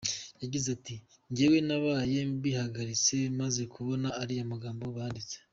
Yagize ati “Njyewe nabaye mbihagaritse, maze kubona ariya magambo banditse.